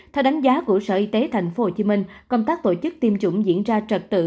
theo đánh giá của sở y tế tp hcm công tác tổ chức tiêm chủng diễn ra trật tự